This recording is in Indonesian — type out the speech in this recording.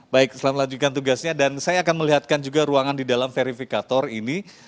baik selamat melanjutkan tugasnya dan saya akan melihatkan juga ruangan di dalam verifikator ini